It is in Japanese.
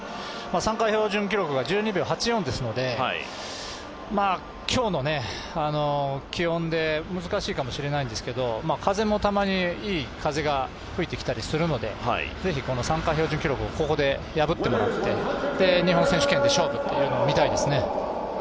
参加標準記録が１２秒８４ですので今日の気温で難しいかもしれないんですけど、風もたまにいい風が吹いてきたりするのでぜひ、この参加標準記録をここで破ってもらって日本選手権で勝負というのを見たいですね。